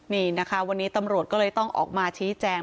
นี่นะคะวันนี้ตำรวจก็เลยต้องออกมาชี้แจง